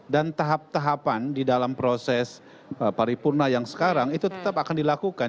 tahap tahapan di dalam proses paripurna yang sekarang itu tetap akan dilakukan